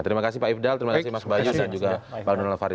terima kasih pak ifdal terima kasih mas mbak yus dan juga pak nona fari